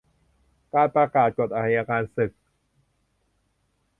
การประกาศกฎอัยการศึก